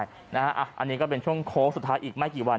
อันนี้ก็เป็นช่วงโค้งสุดท้ายอีกไม่กี่วัน